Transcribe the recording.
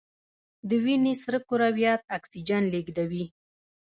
د وینې سره کرویات اکسیجن لیږدوي